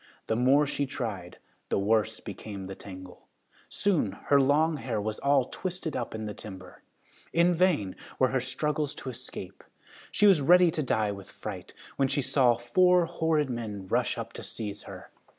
The more she tried, the worse became the tangle. Soon her long hair was all twisted up in the timber. In vain were her struggles to escape. She was ready to die with fright, when she saw four horrid men rush up to seize her.